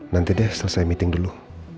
nanti deh selesai meeting dulu